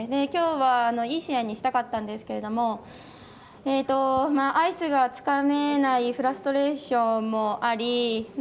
今日は、いい試合にしたかったんですけどもアイスがつかめないフラストレーションもあり